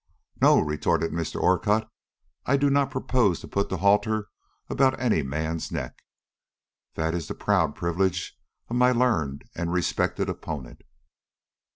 "No," retorted Mr. Orcutt; "I do not propose to put the halter about any man's neck. That is the proud privilege of my learned and respected opponent."